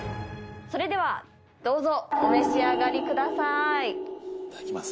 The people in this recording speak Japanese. それではどうぞお召し上がりくださいいただきます